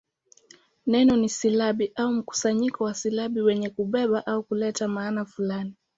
Neno ni silabi au mkusanyo wa silabi wenye kubeba au kuleta maana fulani.